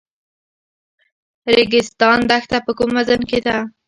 ریګستان دښته په کوم زون کې ده؟